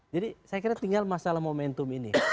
jadi saya kira tinggal masalah momentum ini